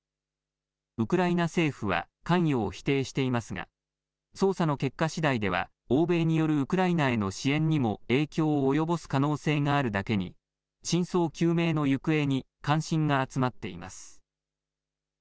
ウクライナ政府は関与を否定していますが捜査の結果しだいでは欧米によるウクライナへの支援にも影響を及ぼす可能性があるだけに真相究明の行方に関心が集まっています。